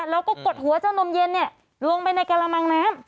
แล้วก็กดหัวเจ้านมเย็นลงไปในกระมังน้ำ